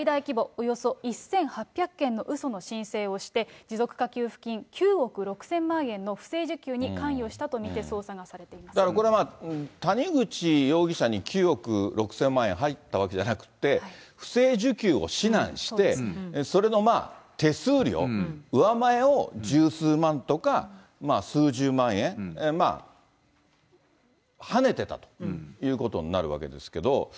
およそ１８００件のうその申請をして、持続化給付金９億６０００万円の不正受給に関与したと見て、だからこれ、谷口容疑者に９億６０００万円入ったわけじゃなくって、不正受給を指南して、それの手数料、うわまえを十数万とか、数十万円、はねてたということになるわけですけれども。